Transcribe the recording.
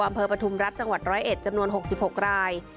อำเครอบันทุมรัฐจังหวัดร้อยเอ็จจำนวน๖๖ราย